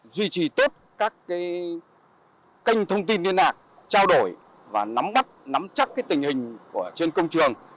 duy trì tốt các kênh thông tin liên hạc trao đổi và nắm chắc tình hình trên công trường